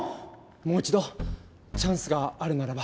もう一度チャンスがあるならば。